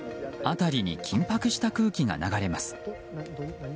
辺りに緊迫した空気が流れます。